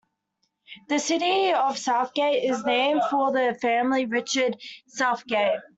The city of Southgate is named for the family of Richard Southgate.